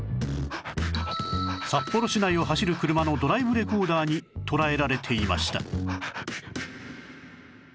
札幌市内を走る車のドライブレコーダーに捉えられていました